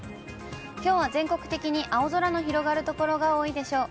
きょうは全国的に青空の広がる所が多いでしょう。